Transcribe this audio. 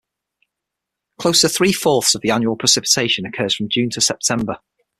Close to three-fourths of the annual precipitation occurs from June to September.